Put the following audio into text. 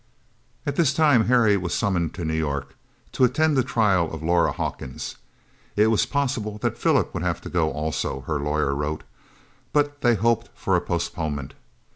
At this time Harry was summoned to New York, to attend the trial of Laura Hawkins. It was possible that Philip would have to go also, her lawyer wrote, but they hoped for a postponement.